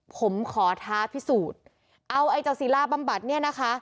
ผมขอท้าพิสูจน์เอาไอ้เจ้าศิลาบำบัดเนี่ยนะคะ